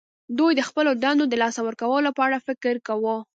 دوی د خپلو دندو د لاسه ورکولو په اړه فکر کاوه